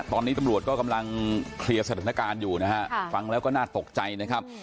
ตอนนี้ตำรวจก็กำลังเคลียร์สถานการณ์อยู่นะฮะฟังแล้วก็น่าตกใจนะครับ